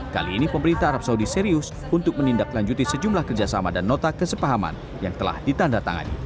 kali ini pemerintah arab saudi serius untuk menindaklanjuti sejumlah kerjasama dan nota kesepahaman yang telah ditandatangani